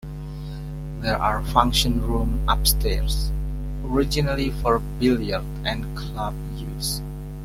There are function rooms upstairs, originally for billiards and club use.